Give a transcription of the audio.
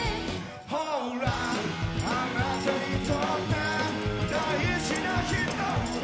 「ほらあなたにとって大事な人ほど」